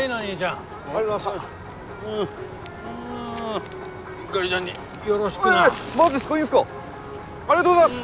ありがとうございます！